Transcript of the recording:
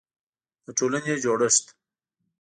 د ټولنې جوړښت